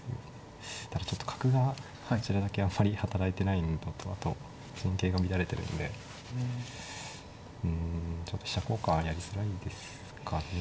ただちょっと角がこちらだけあんまり働いてないのとあと陣形が乱れてるんでうんちょっと飛車交換はやりづらいですかね。